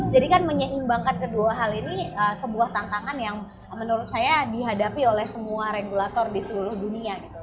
jadi kan menyeimbangkan kedua hal ini sebuah tantangan yang menurut saya dihadapi oleh semua regulator di seluruh dunia gitu